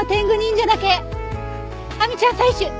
亜美ちゃん採取！